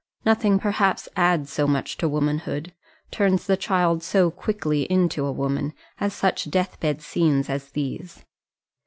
Nothing, perhaps, adds so much to womanhood, turns the child so quickly into a woman, as such death bed scenes as these.